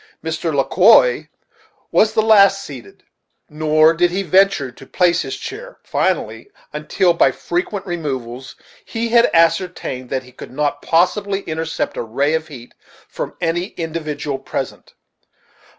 Mr. Le Quoi was the last seated, nor did he venture to place his chair finally, until by frequent removals he had ascertained that he could not possibly intercept a ray of heat front any individual present.